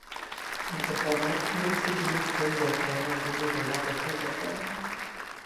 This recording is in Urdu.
انتخابات میں جلسے جلوس بڑھ جاتے ہیں اور انہیں روا رکھا جاتا ہے۔